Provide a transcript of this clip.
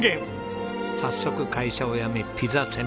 早速会社を辞めピザ専門店で修業。